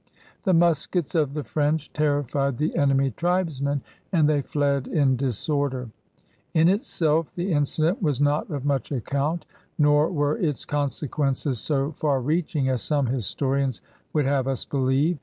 The muskets of the French terrified the enemy tribesmen and they fled in discnrder. In itself the incident was not of much account nor were its consequences so far reaching as some historians would have us believe.